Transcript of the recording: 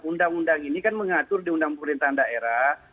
undang undang ini kan mengatur di undang pemerintahan daerah